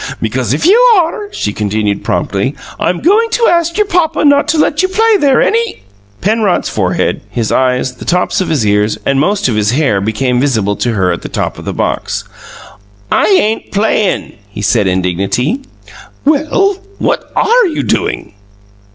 "Because if you are," she continued promptly, "I'm going to ask your papa not to let you play there any " Penrod's forehead, his eyes, the tops of his ears, and most of his hair, became visible to her at the top of the box. "I ain't 'playing!'" he said indignantly. "Well, what ARE you doing?"